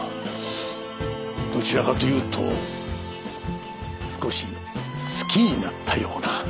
どちらかというと少し好きになったような。